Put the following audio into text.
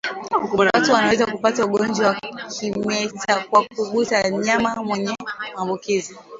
Watu wanaweza kupata ugonjwa wa kimeta kwa kugusa mnyama mwenye maambukizi